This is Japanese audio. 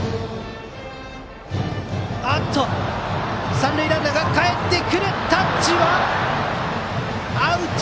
三塁ランナーかえってきてタッチはアウト！